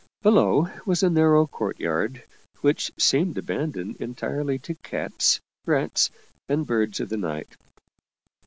Below was a narrow courtyard, which seemed abandoned entirely to cats, rats, and birds of the night.